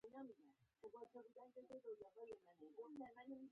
ورور د یخنۍ په شپه تود ځای وي.